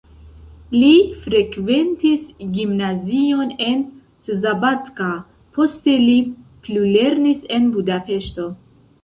Li frekventis gimnazion en Szabadka, poste li plulernis en Budapeŝto.